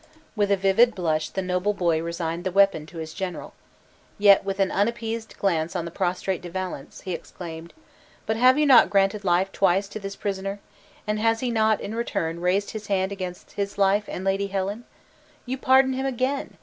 With a vivid blush the noble boy resigned the weapon to his general; yet, with an unappeased glance on the prostrate De Valence, he exclaimed, "But have you not granted life twice to this prisoner? and has he not, in return, raised his hand against his life and Lady Helen? You pardon him again!